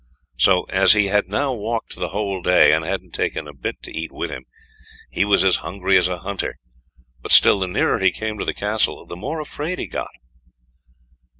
So as he had now walked the whole day and hadn't taken a bit to eat with him, he was as hungry as a hunter, but still the nearer he came to the castle, the more afraid he got.